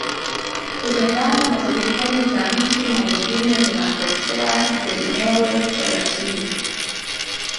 Kulingana na serikali za nchi na nyingine zinapotea zenyewe taratibu